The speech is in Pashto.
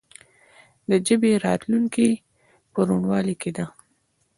د ژبې راتلونکې په روڼوالي کې ده.